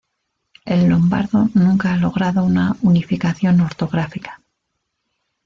El lombardo nunca ha logrado una unificación ortográfica.